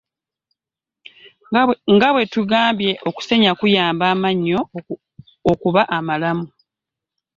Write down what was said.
Nga bwe tugambye, okusenya kuyamba amannyo okuba amalamu.